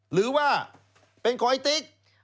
หรือว่าเป็นของไอ้ติ๊ก